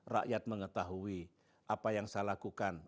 rakyat mengetahui apa yang saya lakukan